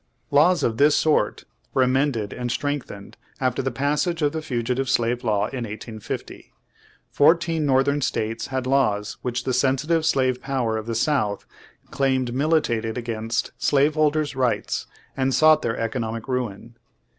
Laws of this sort were amended and strengthened after the passage of the Fugi tive Slave Law in 1850, Fourteen northern states had laws which the sensitive slave pov/er of the South claimed militated against slaveholders' rights, and sought their economic ruin.